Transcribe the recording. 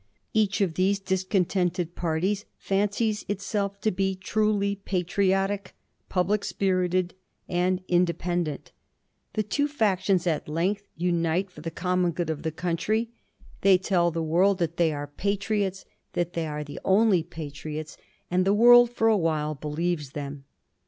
Each of these discontented parties fancies itself to be truly patriotic, public spirited, and inde pendent. The two factions at length unite for the common good of tiie country ; they tell the world Digiti zed by Google 378 A HISTORY OF THE FOUR GEORGES, ch. xix. that they are patriots, that they are the only patriots, and the world for a while believes them.